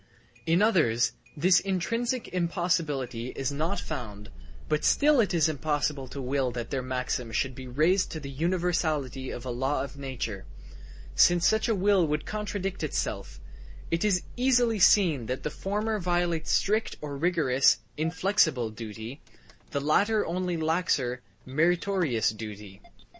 In others this intrinsic impossibility is not found, but still it is impossible to will that their maxim should be raised to the universality of a law of nature, since such a will would contradict itself It is easily seen that the former violate strict or rigorous (inflexible) duty; the latter only laxer (meritorious) duty.